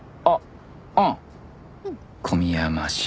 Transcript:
あっ！